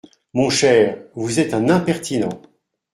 Mon cher, vous êtes un impertinent !